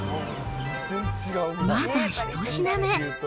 まだ一品目。